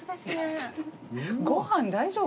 ご飯大丈夫？